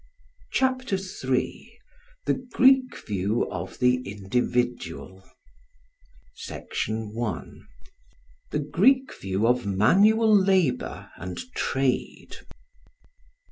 CHAPTER III THE GREEK VIEW OF THE INDIVIDUAL Section 1. The Greek View of Manual Labour and Trade.